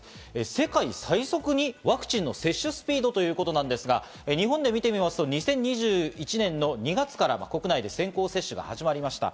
世界最速にワクチンの接種スピードということなんですが、日本で見てみますと、２０２１年の２月から国内で先行接種が始まりました。